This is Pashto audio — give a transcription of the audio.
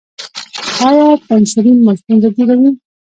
ایا پنسلین مو ستونزه جوړوي؟